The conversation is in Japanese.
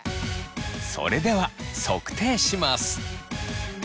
それでは測定します。